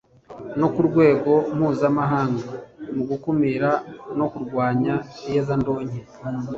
No ku rwego mpuzamahanga mu gukumira no kurwanya iyezandonke